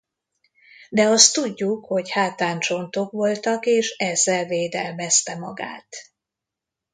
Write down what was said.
De azt tudjuk hogy hátán csontok voltak és ezzel védelmezte magát.